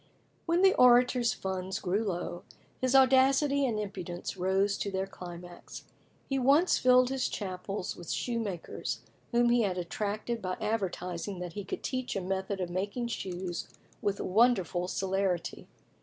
When the Orator's funds grew low, his audacity and impudence rose to their climax. He once filled his chapel with shoemakers, whom he had attracted by advertising that he could teach a method of making shoes with wonderful celerity.